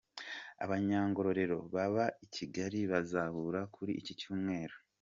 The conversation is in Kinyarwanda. Abanyangorero baba i Kigali bazahura kuri iki cyumweru